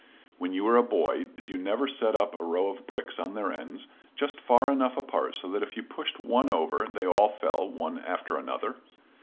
When you were a boy did you never set up a row of bricks on their ends, just far enough apart so that if you pushed one over they all fell one after another?